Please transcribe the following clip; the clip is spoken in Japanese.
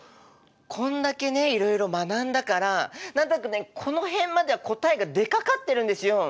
こんだけねいろいろ学んだから何となくねこの辺までは答えが出かかってるんですよ。